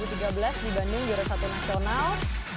slalom dua ribu tiga belas di bandung jurus satu nasional